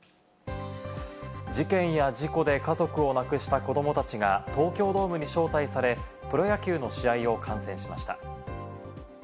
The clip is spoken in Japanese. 事件や事故で家族を亡くした子どもたちが東京ドームに招待され、プロ野球の試合を観戦しました。